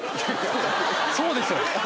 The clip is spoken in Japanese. そうでしょうよ。